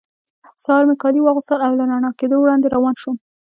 سهار مې کالي واغوستل او له رڼا کېدو وړاندې روان شوم.